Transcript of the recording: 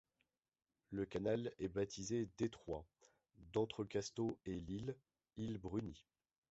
Le canal est baptisé Détroit d'Entrecasteaux et l'île, île Bruny.